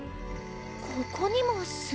ここにも砂？